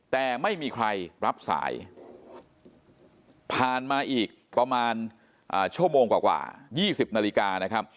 แต่ไม่มีใครรับสายผ่านมาอีกประมาณชั่วโมงกว่า๒๐นาฬิกานะครับ